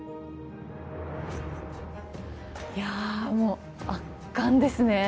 いやもう圧巻ですね。